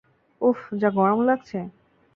উফ, যা গরম লাগছে!